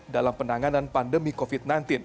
dalam penanganan pandemi covid sembilan belas